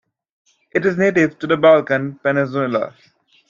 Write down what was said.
It is native to the Balkan Peninsula.